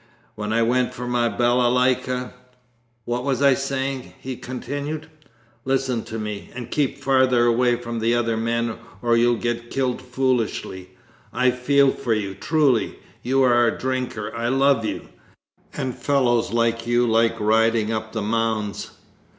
When I went for my BALALAYKA What was I saying?' he continued. 'Listen to me, and keep farther away from the other men or you'll get killed foolishly. I feel for you, truly: you are a drinker I love you! And fellows like you like riding up the mounds.